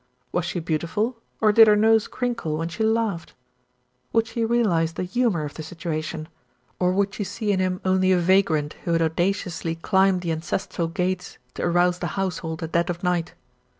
Was she beautiful, or did her nose crinkle when she laughed? Would she realise the humour of the situation, or would she see in him only a vagrant who had audaciously climbed the an cestral gates to arouse the household at dead of night?